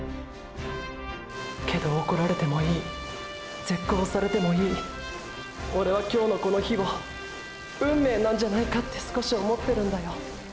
けど怒られてもいい絶交されてもいいオレは今日のこの日を“運命”なんじゃないかって少し思ってるんだよ。